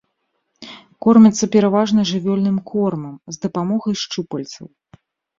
Кормяцца пераважна жывёльным кормам, з дапамогай шчупальцаў.